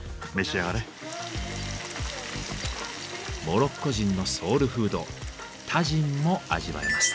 モロッコ人のソウルフードタジンも味わえます。